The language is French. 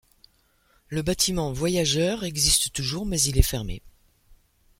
Le bâtiment voyageurs existe toujours mais il est fermé.